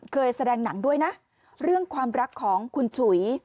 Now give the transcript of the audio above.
เคยแสดงหนังด้วยนะเรื่องความรักของคุณฉุย